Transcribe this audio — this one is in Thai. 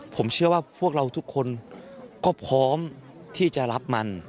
ผมเชื่อว่าพวกเราทุกคนก็พร้อมที่จะรับมัน